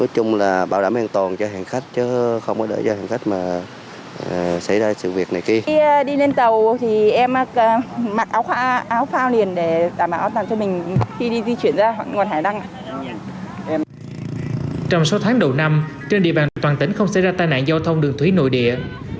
trong sáu tháng đầu năm trên địa bàn toàn tỉnh không xảy ra tai nạn giao thông đường thủy nội địa